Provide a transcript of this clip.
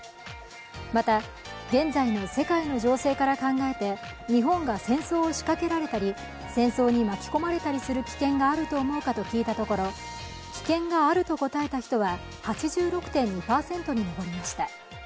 また、現在の世界の情勢から考えて、日本が戦争を仕掛けられたり戦争に巻き込まれたりする危険があると思うかと聞いたところ、危険があると答えた人は８６．２％に上りました。